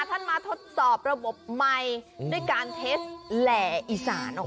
ท่านมาทดสอบระบบใหม่ด้วยการเทสแหล่อีสาน